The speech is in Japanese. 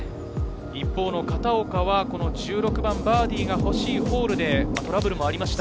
一方の片岡は１６番、バーディーが欲しいホールでトラブルもありました。